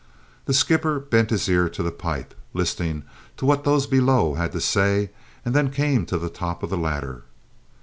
The skipper bent his ear to the pipe, listening to what those below had to say, and then came to the top of the ladder.